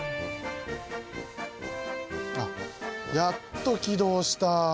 あっやっと起動した。